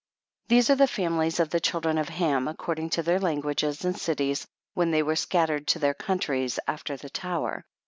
29. These are the families of the children of Ham, according to their languages and cities, M'hen they were scattered to their countries after the tower.